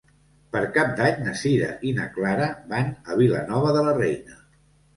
Per Cap d'Any na Sira i na Clara van a Vilanova de la Reina.